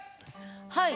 はい。